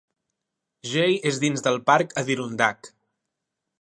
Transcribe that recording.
Jay és dins del parc Adirondack.